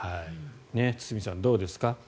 堤さん、どうですか？